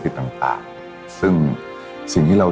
แต่ตอนเด็กก็รู้ว่าคนนี้คือพระเจ้าอยู่บัวของเรา